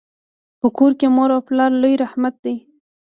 په کور کي مور او پلار لوی رحمت دی.